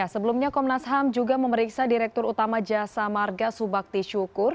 sebelumnya komnas ham juga memeriksa direktur utama jasa marga subakti syukur